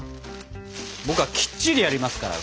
僕はきっちりやりますから。